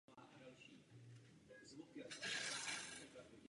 Navíc pedagogicky působí na českých i zahraničních univerzitách.